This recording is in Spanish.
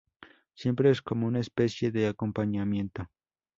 Siempre es como una especie de acompañamiento.